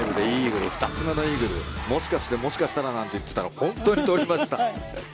パー５で２つ目のイーグルもしかしたらなんて言っていたら本当に取りました。